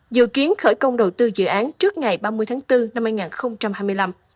dự kiến khởi công đầu tư dự án trước ngày ba mươi tháng bốn năm hai nghìn hai mươi năm